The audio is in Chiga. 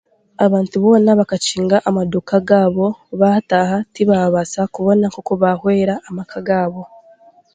Abantu boona bakakinga amaduuka gaabo baataha tibaabaasa kubona oku baahwera amaka gaabo